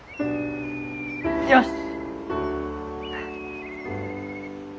よし！